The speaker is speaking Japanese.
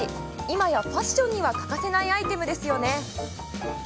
今やファッションには欠かせないアイテムですよね。